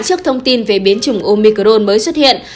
trước thông tin về biến chủng omicron mới xuất hiện